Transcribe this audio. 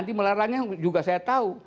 di melarangnya juga saya tahu